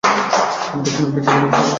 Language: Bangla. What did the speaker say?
আমি দক্ষিণ আফ্রিকায় ভালো ছন্দে ছিলাম।